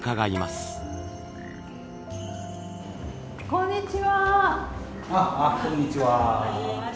あこんにちは。